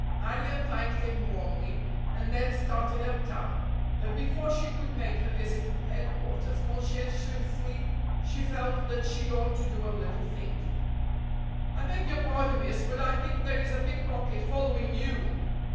Marion thanked him warmly and then started uptown, but before she could make her visit to headquarters conscientiously she felt that she ought to do a little thinking. "I beg your pardon, miss, but I think there is a pickpocket following you!"